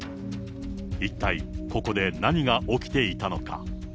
一体、ここで何が起きていたのか。